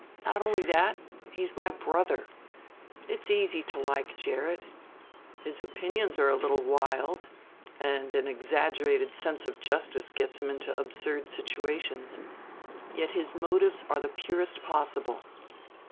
Not only that ... he's my brother. It's easy to like Gerrit; his opinions are a little wild, and an exaggerated sense of justice gets him into absurd situations; yet his motives are the purest possible.